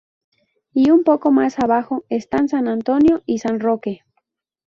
Y un poco más abajo, están San Antonio y San Roque.